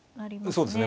そうですね。